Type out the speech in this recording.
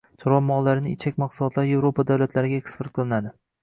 Chorva mollarining ichak mahsulotlari Yevropa davlatlariga eksport qilinadi